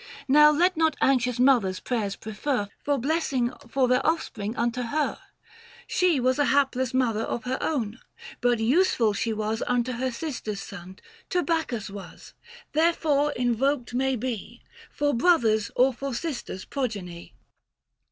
Now let not anxious mothers prayers prefer 670 For blessings for their offspring unto her ; She was a hapless mother of her own. But useful she unto her sister's son To Bacchus was ; therefore invoked may be For brother's or for sister's progeny.